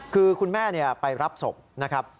คือคุณแม่ไปรับศพนะครับ